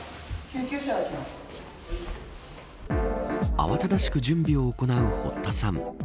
慌ただしく準備を行う堀田さん